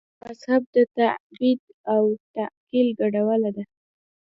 مذهب د تعبد او تعقل ګډوله ده.